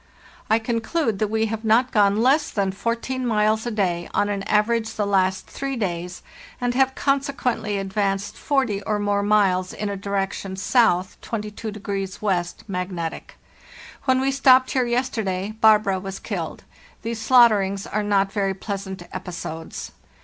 "T conclude that we have not gone less than 14 miles a day on an average the last three days, and have consequently advanced 40 or more miles in a direction S. 22° W. (magnetic). When we stopped here yesterday 'Barbara' was killed. These slaughterings are not very pleasant episodes.